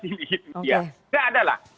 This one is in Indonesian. tidak ada lah